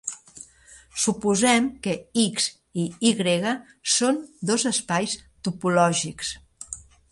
Suposem que "X" i "Y" són dos espais topològics.